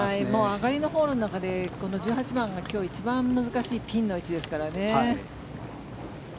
上がりのホールの中でこの１８番が今日一番難しいピンの位置ですからね。